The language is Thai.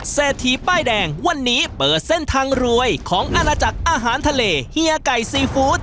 เศรษฐีป้ายแดงวันนี้เปิดเส้นทางรวยของอาณาจักรอาหารทะเลเฮียไก่ซีฟู้ด